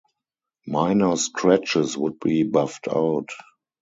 Minor scratches would be buffed out.